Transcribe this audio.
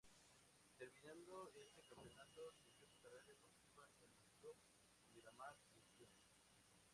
Terminando ese campeonato, siguió su carrera deportiva en el club Miramar Misiones.